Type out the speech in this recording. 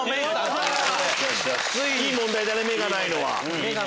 いい問題だね「目がないの」は。